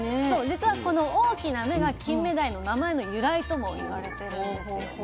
そう実はこの大きな目がキンメダイの名前の由来とも言われてるんですよね。